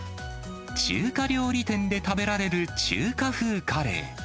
中華料理店で食べられる中華風カレー。